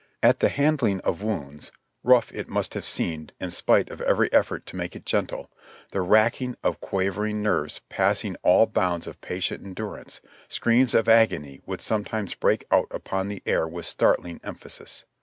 At the handling of wounds, — rough it must have seemed, in spite of every effort to make it gentle, — the racking of quivering nerves passing all bounds of patient en durance, screams of agony would sometimes break out upon the air with startling emphasis.